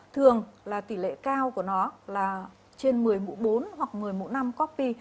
thường là tỷ lệ cao của nó là trên một mươi mũ bốn hoặc một mươi mũ năm copy